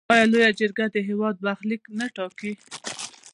آیا لویه جرګه د هیواد برخلیک نه ټاکي؟